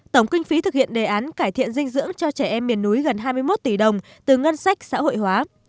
tổng kinh phí thực hiện đề án cải thiện dinh dưỡng cho trẻ em miền núi gần hai mươi một tỷ đồng từ ngân sách xã hội hóa